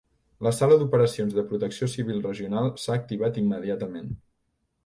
La sala d’operacions de protecció civil regional s’ha activat immediatament.